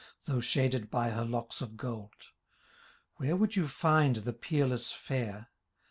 Though shaded by her locks of gold — Where would you find the peerless fair.